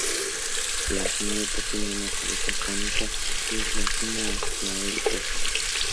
La jineta tiene una cabeza cónica que se afina hacia el hocico.